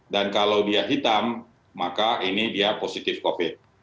dan kalau dia hitam maka ini dia positif covid